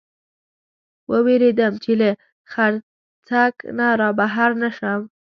و وېرېدم، چې له څرخک نه را بهر نه شم.